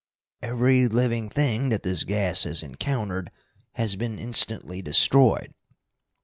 "Every living thing that this gas has encountered has been instantly destroyed.